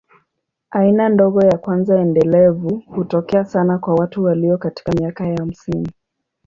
Aina ndogo ya kwanza endelevu hutokea sana kwa watu walio katika miaka ya hamsini.